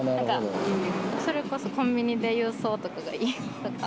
それこそコンビニで郵送とかがいいとか。